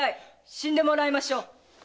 死んでもらいましょう！